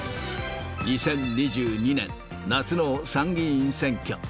２０２２年夏の参議院選挙。